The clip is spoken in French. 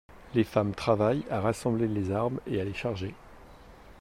Les femmes travaillent à rassembler les armes et à les charger.